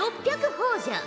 ほぉじゃ。